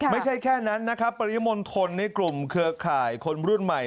ไม่ใช่แค่นั้นนะครับปริมณฑลในกลุ่มเครือข่ายคนรุ่นใหม่